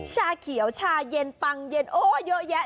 ชาเขียวชาเย็นปังเย็นโอ้เยอะแยะ